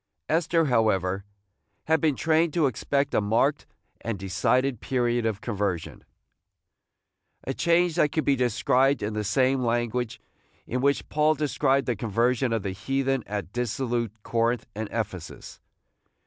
Esther, however, had been trained to expect a marked and decided period of conversion, – a change that could be described in the same language in which Paul described the conversion of the heathen at dissolute Corinth and Ephesus.